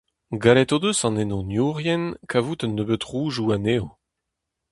Gallet o deus an henoniourien kavout un nebeud roudoù anezho.